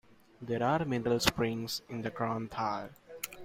There are Mineral springs in the Kronthal.